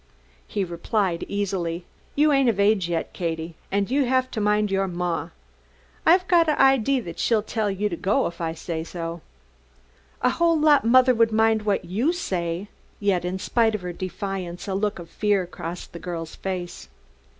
He replied easily: "You ain't of age yet, Katie, and you have to mind your maw. I've got an idee that she'll tell you to go if I say so." "A whole lot my mother would mind what you say!" Yet in spite of her defiance a look of fear crossed the girl's face.